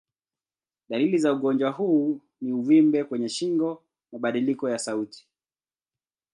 Dalili za ugonjwa huu ni uvimbe kwenye shingo, mabadiliko ya sauti.